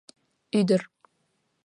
— Ӱдыр...